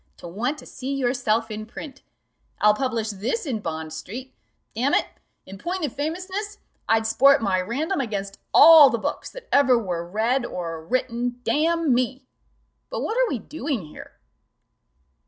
to want to see yourself in print I'll publish this in Bond street: damn it, in point of famousness, I'd sport my Random against all the books that ever were read or written, damn me! But what are we doing here?"